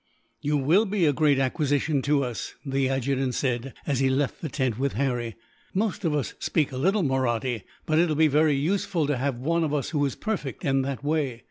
"You will be a great acquisition to us," the adjutant said, as he left the tent with Harry. "Most of us speak a little Mahratti; but it will be very useful to have one of us who is perfect, in that way.